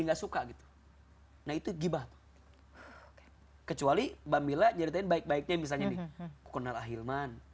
nggak suka gitu nah itu giba kecuali bambila jadikan baik baiknya misalnya nih kenal ahilman